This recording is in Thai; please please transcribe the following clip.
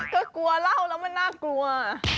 ก็กลัวเล่าแล้วมันน่ากลัว